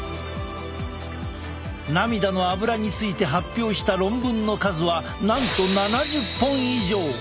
涙のアブラについて発表した論文の数はなんと７０本以上！